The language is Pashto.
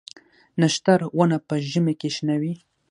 نښتر ونه په ژمي کې شنه وي؟